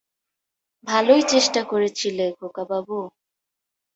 ভালোই চেষ্টা করেছিলে, খোকাবাবু।